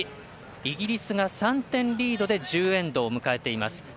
イギリスが３点リードで１０エンドを迎えています。